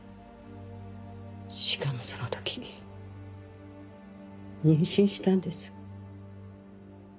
しかもその時妊娠したんです。